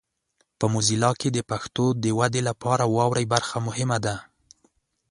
په موزیلا کې د پښتو د ودې لپاره واورئ برخه مهمه ده.